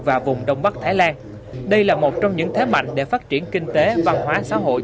và vùng đông bắc thái lan đây là một trong những thế mạnh để phát triển kinh tế văn hóa xã hội